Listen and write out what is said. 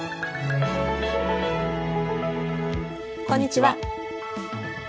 こんにちは。